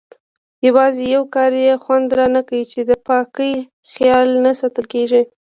یوازې یو کار یې خوند رانه کړ چې د پاکۍ خیال نه ساتل کېږي.